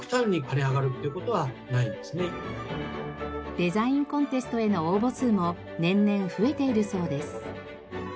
デザインコンテストへの応募数も年々増えているそうです。